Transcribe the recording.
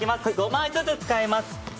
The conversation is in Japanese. ５枚ずつ使います。